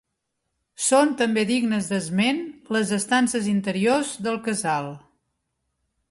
Són també dignes d'esment les estances interiors del casal.